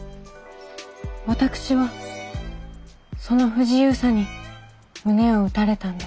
私はその不自由さに胸を打たれたんです。